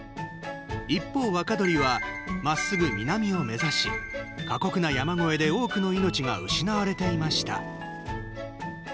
一方、若鳥はまっすぐ南を目指し過酷な山越えで多くの命が失われていました。